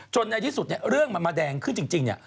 ในที่สุดเนี่ยเรื่องมันมาแดงขึ้นจริงเนี่ย